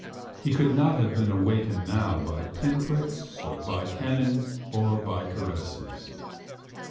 He could not have been wakened now by pinpricks or by cannon or by caresses.